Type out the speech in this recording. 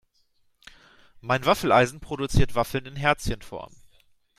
Mein Waffeleisen produziert Waffeln in Herzchenform.